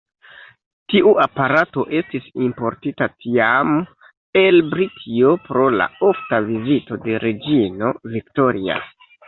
Tiu aparato estis importita tiam el Britio pro la ofta vizito de reĝino Victoria.